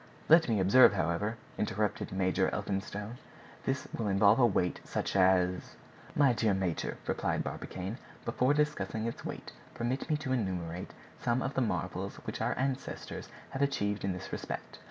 "Let me observe, however," interrupted Major Elphinstone, "this will involve a weight such as—" "My dear major," replied Barbicane, "before discussing its weight permit me to enumerate some of the marvels which our ancestors have achieved in this respect.